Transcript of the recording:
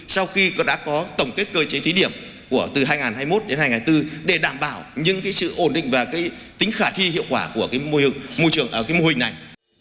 sau khi đã có tổng kết cơ chế thí điểm từ hai nghìn hai mươi một đến hai nghìn hai mươi bốn để đảm bảo những sự ổn định và tính khả thi hiệu quả của môi trường ở mô hình này